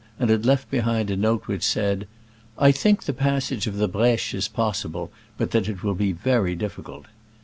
and had left behind a note which said, "I think the passage of the Br^che is possible, but that it will be very difficult."